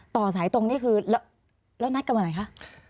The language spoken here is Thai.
ต่อสายตรงนี้คือแล้วนัดกันวันไหนคะ